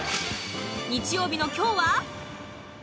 日曜日の今日は？